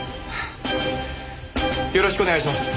よろしくお願いします。